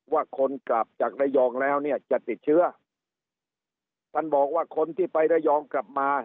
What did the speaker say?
ว่าคนกลับจากระยองแล้วเนี่ยจะติดเชื้อท่านบอกว่าคนที่ไประยองกลับมา